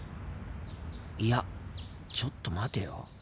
いやちょっと待てよ。